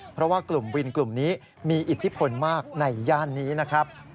เพราะว่ากลุ่มวินกลุ่มนี้มีอิทธิพลมากในย่านนี้นะครับ